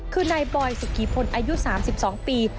คือนายบอยสุกิพลอายุ๓๒ปี